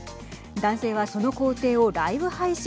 男性はその工程をライブ配信。